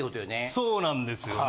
そうなんですよね。